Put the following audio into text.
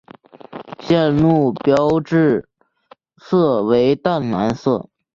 线路标志色为淡蓝色。